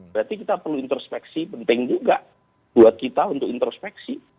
berarti kita perlu introspeksi penting juga buat kita untuk introspeksi